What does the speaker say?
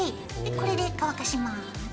これで乾かします。